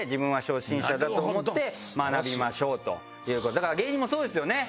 だから芸人もそうですよね。